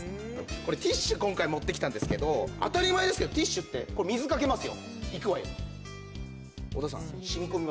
これ、ティッシュ、今回持ってきたんですけど、当たり前ですけど、ティッシュって、これ、水かけますよ。